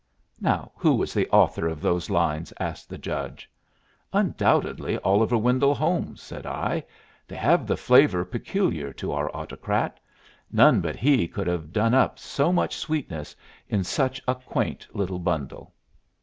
"Now who was the author of those lines?" asked the Judge. "Undoubtedly Oliver Wendell Holmes," said I. "They have the flavor peculiar to our Autocrat; none but he could have done up so much sweetness in such a quaint little bundle."